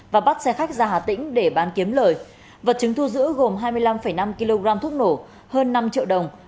và bắt xe khách ra hà tĩnh để bán kiếm lời vật chứng thu giữ gồm hai mươi năm năm kg thuốc nổ hơn năm triệu đồng